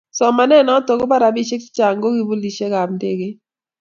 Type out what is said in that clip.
somanet noto koba robishek chechang ku kipulishekab ndegeit